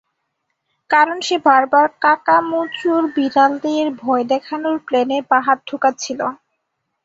কারণ সে বারবার কাকামুচোর বিড়ালদের ভয় দেখানোর প্ল্যানে বাহাত ঢোকাচ্ছিল।